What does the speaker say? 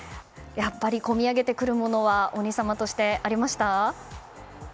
やっぱり込み上げてくるものはお兄様としてありました？